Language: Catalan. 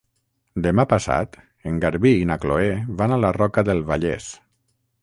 Demà passat en Garbí i na Chloé van a la Roca del Vallès.